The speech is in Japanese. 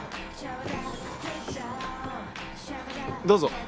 どうぞ。